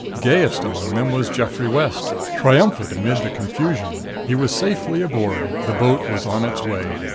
Gayest among them was Geoffrey West, triumphant amid the confusion. He was safely aboard; the boat was on its way!